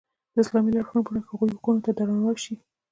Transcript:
د اسلامي لارښوونو په رڼا کې هغوی حقونو ته درناوی وشي.